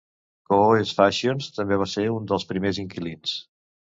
Cohoes Fashions també va ser un dels primers inquilins.